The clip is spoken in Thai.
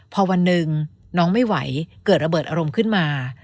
พอวันหนึ่งน้องไม่ไหวเกิดระเบิดอารมณ์ขึ้นมา